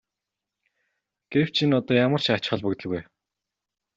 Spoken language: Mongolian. Гэвч энэ одоо ямар ч ач холбогдолгүй.